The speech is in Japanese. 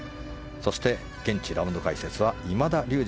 そして、現地ラウンド解説は今田竜二